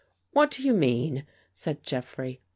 "What do you mean?" said Jeffrey.